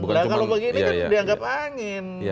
nah kalau begini kan dianggap angin